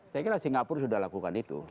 saya kira singapura sudah lakukan itu